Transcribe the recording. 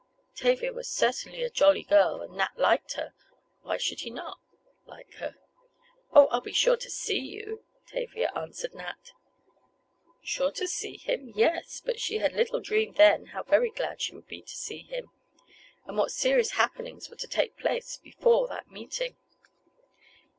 Tavia was certainly a jolly girl, and Nat liked her—why should he not—like her? "Oh, I'll be sure to see you," Tavia answered Nat. Sure to see him? Yes, but she little dreamed then how very glad she would be to see him—and what serious happenings were to take place before that meeting.